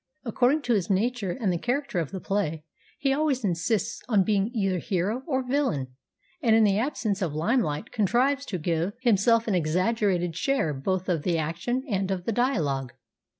According to his nature, and the character of the play, he always insists on being either hero or villain, and in the absence of limelight contrives to give him self an exaggerated share both of the action and of the dialogue.